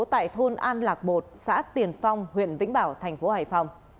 tại thôn an lạc một xã tiền phong huyện vĩnh bảo thành phố hải phòng